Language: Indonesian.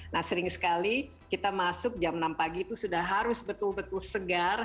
nah sering sekali kita masuk jam enam pagi itu sudah harus betul betul segar